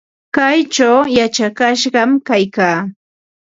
Kaychaw yachakashqam kaykaa.